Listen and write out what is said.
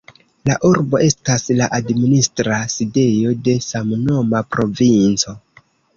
La urbo estas la administra sidejo de samnoma provinco.